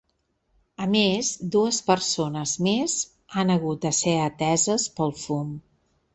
A més, dues persones més han hagut de ser ateses pel fum.